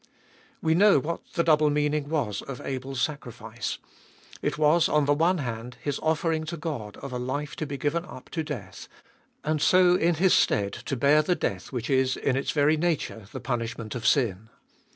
We know what the double meaning was of Abel's sacrifice. It was, on the one hand, his offering to God of a life to be given up to death, and so in his stead to bear the death which is in its 426 Gbe IboHest ot Bll very nature the punishment of sin.